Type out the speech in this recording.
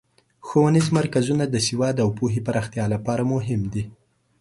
ښوونیز مرکزونه د سواد او پوهې پراختیا لپاره مهم دي.